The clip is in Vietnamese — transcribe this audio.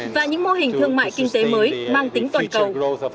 và những mô hình thương mại kinh tế mới mang tính toàn cầu